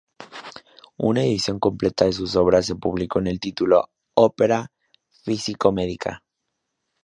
Una edición completa de sus obras se publicó con el título "Opera physico-medica.